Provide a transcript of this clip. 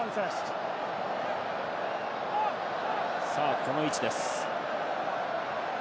さぁこの位置です。